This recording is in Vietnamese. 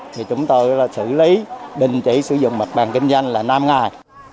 thì chúng tôi xử lý đình chỉ sử dụng mặt bằng kinh doanh là năm ngày